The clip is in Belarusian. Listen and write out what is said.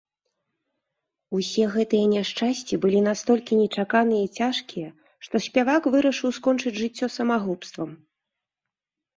Усе гэтыя няшчасці былі настолькі нечаканыя і цяжкія, што спявак вырашыў скончыць жыццё самагубствам.